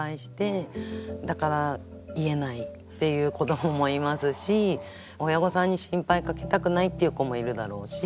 だから言えないっていう子どももいますし親御さんに心配かけたくないっていう子もいるだろうし。